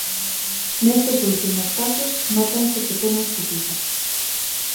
Nestes últimos casos nótanse pequenas subidas.